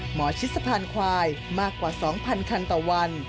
หมอชิศพันธุ์ควายมากกว่า๒๐๐๐คันต่อวัน